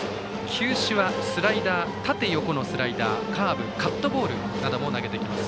球種は、縦横のスライダーカーブ、カットボールなども投げてきます。